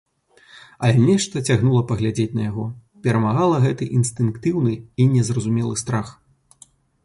Але нешта цягнула паглядзець на яго, перамагала гэты інстынктыўны і незразумелы страх.